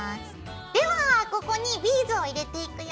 ではここにビーズを入れていくよ。